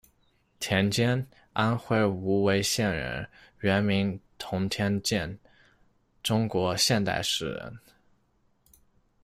田间，安徽无为县人，原名童天鉴，中国现代诗人。